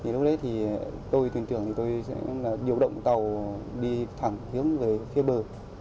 lúc đấy tôi tưởng tưởng tôi sẽ điều động tàu đi thẳng hướng về phía bờ